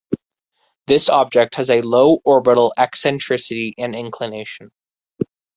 This object has a low orbital eccentricity and inclination.